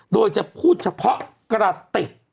โดยจะพูดเฉพาะกระติก